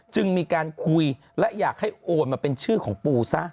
จึงมีการคุยและอยากให้โอนมาเป็นชื่อของปูซะ